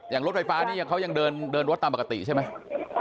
รถไฟฟ้านี่เขายังเดินรถตามปกติใช่ไหม